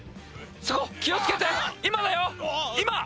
そこ気をつけて今だよ今！